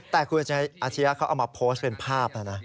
แต่คุณอาชียะเขาเอามาโพสต์เป็นภาพนะนะ